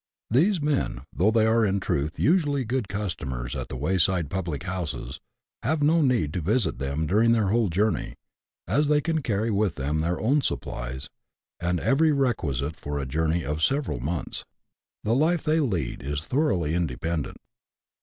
These men, though they are in truth usually good customers at the wayside public houses, have no need to visit them during their whole journey, as they can carry with them their own supplies, and every requisite for a journey of several months. The life they lead is thoroughly independent.